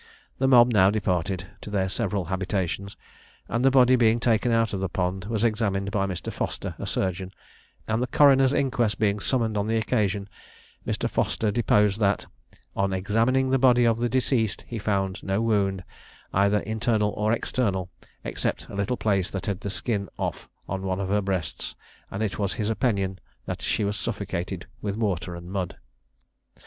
The mob now departed to their several habitations; and the body being taken out of the pond, was examined by Mr. Foster, a surgeon; and the coroner's inquest being summoned on the occasion, Mr Foster deposed that, "on examining the body of the deceased, he found no wound, either internal or external, except a little place that had the skin off on one of her breasts; and it was his opinion that she was suffocated with water and mud."